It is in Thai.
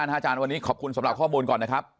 อาจารย์วันนี้ขอบคุณสำหรับข้อมูลก่อนนะครับ